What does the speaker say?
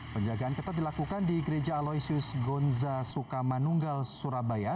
penjagaan ketat dilakukan di gereja aloysius gonza sukamanunggal surabaya